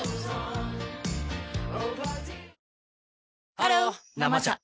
ハロー「生茶」